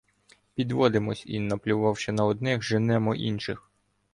Підводимося і, наплювавши на одних, женемо інших.